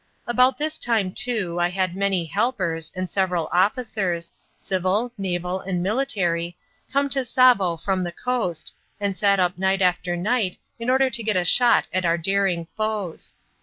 About this time, too, I had many helpers, and several officers civil, naval and military came to Tsavo from the coast and sat up night after night in order to get a shot at our daring foes.